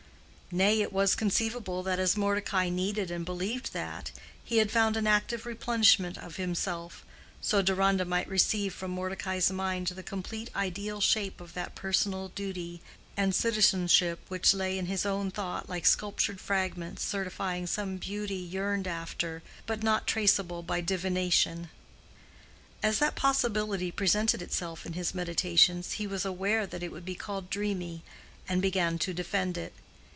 Nay, it was conceivable that as Mordecai needed and believed that, he had found an active replenishment of himself, so Deronda might receive from Mordecai's mind the complete ideal shape of that personal duty and citizenship which lay in his own thought like sculptured fragments certifying some beauty yearned after but not traceable by divination. As that possibility presented itself in his meditations, he was aware that it would be called dreamy, and began to defend it.